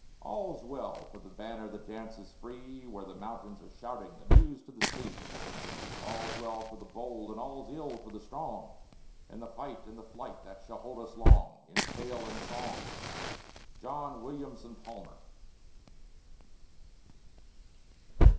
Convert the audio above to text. All's well for the banner that dances free, Where the mountains are shouting the news to the sea. All's well for the bold, and all's ill for the strong, In the fight and the flight that shall hold us long, In tale and song. JOHN WILLIAMSON PALMER.